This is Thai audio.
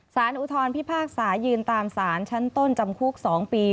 อุทธรพิพากษายืนตามสารชั้นต้นจำคุก๒ปี